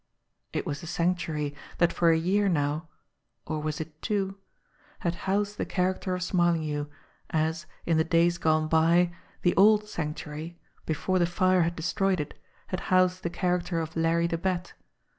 It was the Sanctuary that for a year now or was it two ? had housed the character of Smarlinghue, as, in the days gone by, the old Sanctuary, before the fire had destroyed it, had housed the character of Larry the Bat.